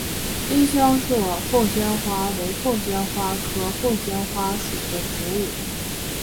丁香色凤仙花为凤仙花科凤仙花属的植物。